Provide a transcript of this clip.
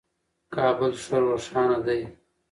کابل ښه روښانه دی.